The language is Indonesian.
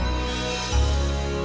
gue lari lari udah ya